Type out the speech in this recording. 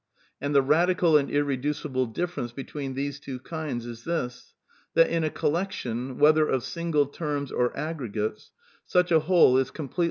And the radical and irreducible difference between these two kinds is this: that in a collection, whether of single terms or aggregates, f ( "sudi a whole is complete!